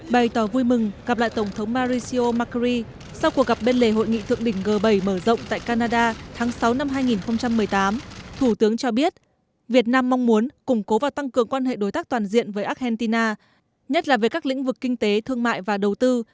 bày tỏ vui mừng gặp lại tổng thống maricio macri sau cuộc gặp bên lề hội nghị thượng đỉnh g bảy mở rộng tại canada tháng sáu năm hai nghìn một mươi tám thủ tướng cho biết việt nam mong muốn củng cố và tăng cường quan hệ đối tác toàn diện với argentina nhất là về các lĩnh vực kinh tế thương mại và đầu tư